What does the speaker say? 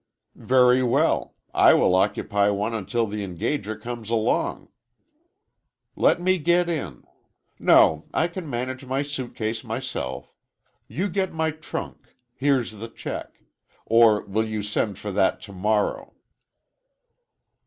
"Very well, I will occupy one until the engager comes along. Let me get in. No, I can manage my suitcase myself. You get my trunk,—here's the check. Or will you send for that tomorrow?"